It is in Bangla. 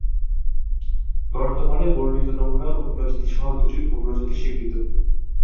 বর্তমানে বর্ণিত নমুনা উপ-প্রজাতি সহ দুটি উপপ্রজাতি স্বীকৃত।